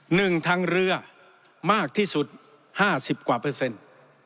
หนึ่งทางเรือมากที่สุดห้าสิบกว่าเปอร์เซ็นต์